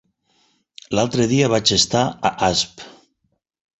L'altre dia vaig estar a Asp.